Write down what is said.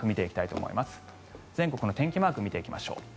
全国の天気マークを見ていきましょう。